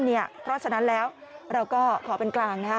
เพราะฉะนั้นแล้วเราก็ขอเป็นกลางนะคะ